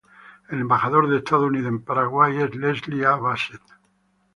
El embajador de Estados Unidos en Paraguay es Leslie A. Bassett.